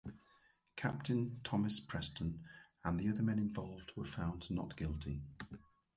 Captain Thomas Preston and the other men involved were found not guilty.